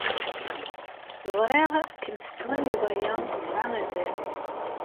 Ẓriɣ kemm tettwaliḍ aya yesɛa azal.